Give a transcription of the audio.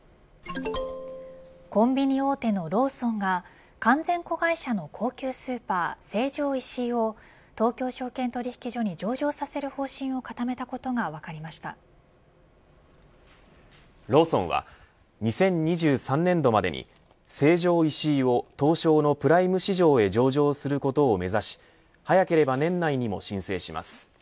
コンビニ大手のローソンが完全子会社の高級スーパー、成城石井を東京証券取引所に上場させる方針をローソンは２０２３年度までに成城石井を東証のプライム市場へ上場することを目指し早ければ年内にも申請します。